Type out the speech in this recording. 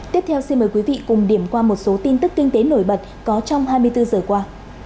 tiếp theo xin mời quý vị cùng điểm qua một số tin tức kinh tế nổi bật có trong hai mươi bốn giờ qua